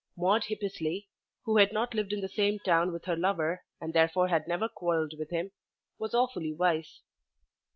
Maude Hippesley, who had not lived in the same town with her lover and therefore had never quarrelled with him, was awfully wise.